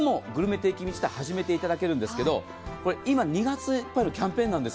定期便始めていただけるんですが２月いっぱいのキャンペーンなんです。